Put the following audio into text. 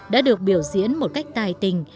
đã được biểu diễn một cách tài tình